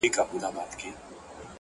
گراني شاعري ستا خوږې خبري ؛